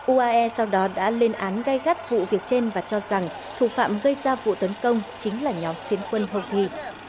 uae sau đó đã lên án gai gắt vụ việc trên và cho rằng thủ phạm gây ra vụ tấn công chính là nhóm phiến quân houthi